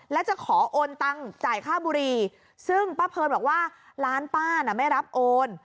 และจะขอโอนตังจ่ายค่าบุรีซึ่งป้าเพลินบอกว่าร้านป้าน่ะไม่รับโอน